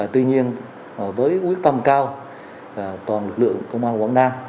tuy nhiên với quyết tâm cao toàn lực lượng công an quảng nam